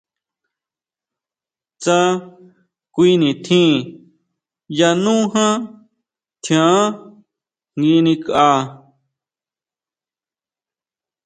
Tsá kui nitjín yanú jan tjián nguinikʼa.